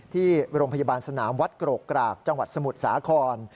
ที่โรงพยาบาลสนามวัดโกรกกรากจังหวัดสมุทรสาคร